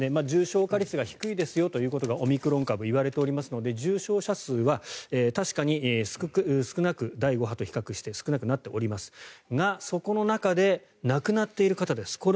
重症化率は低いんですよとオミクロン株は言われていますので重症者数は確かに第５波と比較して少なくなっておりますがそこの中で亡くなっている方です。